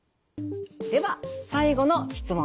では最後の質問